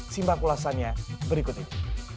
simpak ulasannya berikut ini